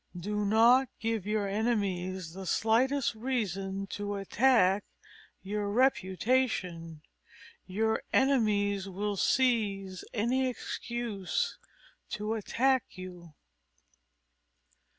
Do not give your enemies the slightest reason to attack your reputation. _Your enemies will seize any excuse to attack you.